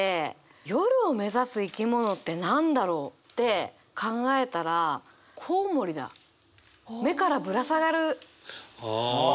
「夜を目指す生きもの」って何だろう？って考えたら目からぶら下がる。